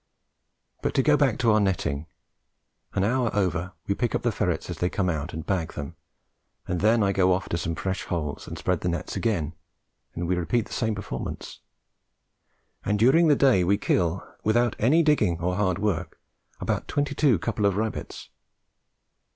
But to go back to our netting. An hour over, we pick up the ferrets as they come out and bag them, and then I go off to some fresh holes and spread the nets again, and we repeat the same performance; and during the day we kill, without any digging or hard work, about twenty two couple of rabbits.